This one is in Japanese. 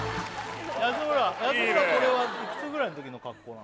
安村これはいくつぐらいの時の格好なの？